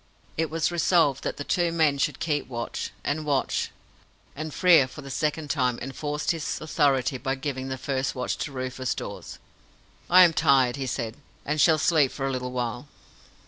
It was resolved that the two men should keep watch and watch; and Frere for the second time enforced his authority by giving the first watch to Rufus Dawes. "I am tired," he said, "and shall sleep for a little while."